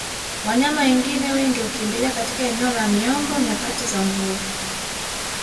Wanyama wengine wengi hukimbilia katika eneo la miombo nyakati za mvua